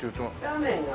ラーメンが。